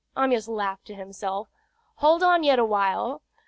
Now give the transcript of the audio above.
Amyas laughed to himself. "Hold on yet awhile.